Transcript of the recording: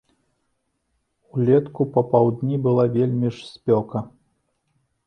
Улетку папаўдні была вельмі ж спёка.